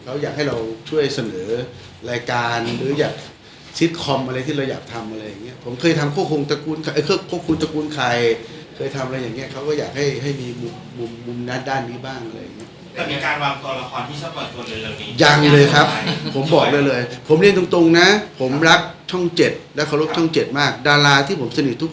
เพราะมันก็มีความรักที่มันก็มีความรักที่มันก็มีความรักที่มันก็มีความรักที่มันก็มีความรักที่มันก็มีความรักที่มันก็มีความรักที่มันก็มีความรักที่มันก็มีความรักที่มันก็มีความรักที่มันก็มีความรักที่มันก็มีความรักที่มันก็มีความรักที่มันก็มีความรักที่มันก็มีคว